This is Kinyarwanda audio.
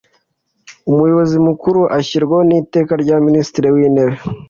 Umuyobozi Mukuru ashyirwaho n’iteka rya Minisitiri w’Intebe